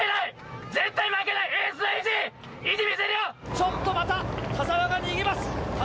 ちょっとまた田澤が逃げます。